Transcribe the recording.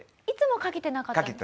いつもかけてなかった？